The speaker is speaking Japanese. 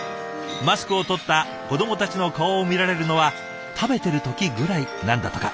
マスクをとった子どもたちの顔を見られるのは食べてる時ぐらいなんだとか。